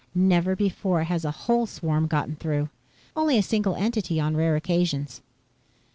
Never before has a whole swarm gotten through. Only a single entity on rare occasions."